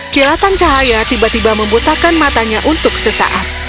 kilatan cahaya tiba tiba membutakan matanya untuk sesaat